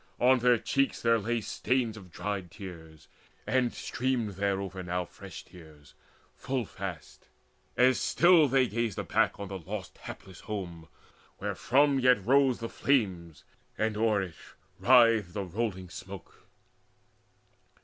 On their cheeks there lay Stains of dried tears, and streamed thereover now Fresh tears full fast, as still they gazed aback On the lost hapless home, wherefrom yet rose The flames, and o'er it writhed the rolling smoke.